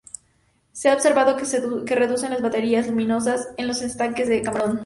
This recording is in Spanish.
Se ha observado que reducen las bacterias luminosas en los estanques de camarón.